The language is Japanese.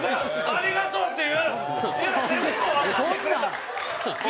「ありがとう」って？